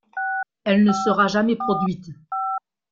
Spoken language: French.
Elle ne sera jamais produite.